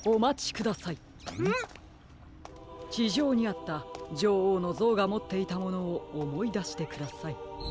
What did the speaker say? ちじょうにあったじょおうのぞうがもっていたものをおもいだしてください。